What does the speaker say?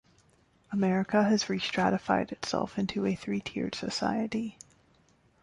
America has re-stratified itself into a three-tiered society.